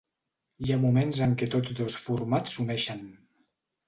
Hi ha moments en què tots dos formats s'uneixen.